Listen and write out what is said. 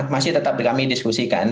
masih tetap di kami diskusi